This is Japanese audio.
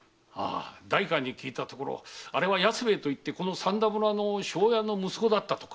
代官に聞いたところあれは安兵衛といってこの散田村の庄屋の息子だったとか。